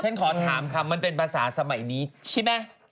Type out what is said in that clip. ฉันขอถามคำมันเป็นภาษาสมัยนี้ใช่ไหม